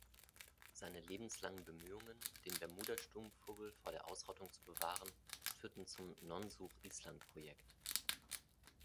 Seine lebenslangen Bemühungen, den Bermuda-Sturmvogel vor der Ausrottung zu bewahren, führten zum "Nonsuch-Island-Projekt".